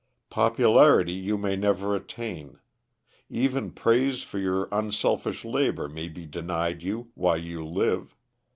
Popularity you may never attain; even praise for your unselfish labor may be denied you while you live.